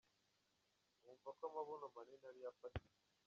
Bumva ko amabuno manini ariyo afatika.